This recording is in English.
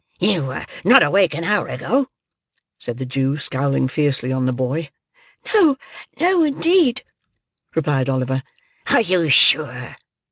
"You were not awake an hour ago?" said the Jew, scowling fiercely on the boy. "No! No, indeed!" replied Oliver. "Are you sure?"